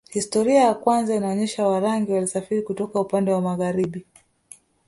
Historia ya kwanza inaonyesha Warangi walisafiri kutoka upande wa magharibi